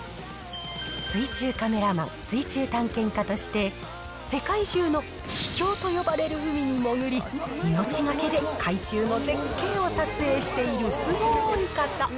水中カメラマン、水中探検家として、世界中の秘境と呼ばれる海に潜り、命懸けで海中の絶景を撮影している、すごーい方。